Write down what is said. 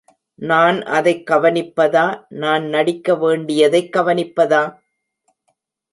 நான் அதைக் கவனிப்பதா, நான் நடிக்க வேண்டியதைக் கவனிப்பதா?